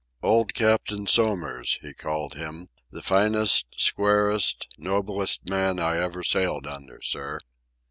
"Old Captain Somers," he called him—"the finest, squarest, noblest man I ever sailed under, sir."